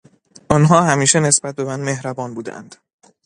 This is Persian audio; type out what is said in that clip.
آنها همیشه نسبت به من مهربان بودهاند.